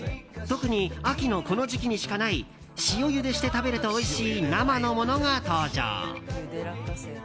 特に秋のこの時期にしかない塩ゆでして食べるとおいしい生のものが登場。